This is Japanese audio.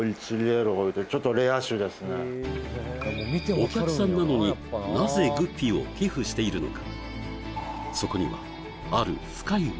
お客さんなのになぜグッピーを寄付しているのか？